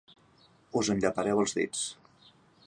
Us en llepareu els dits.